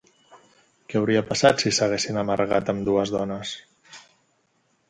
Què hauria passat si s'haguessin amargat ambdues dones?